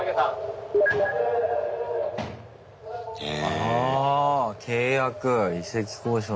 ああ契約・移籍交渉など。